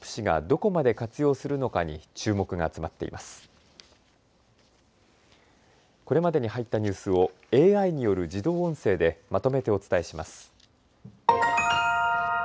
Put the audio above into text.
これまでに入ったニュースをＡＩによる自動音声でまとめてお伝えします。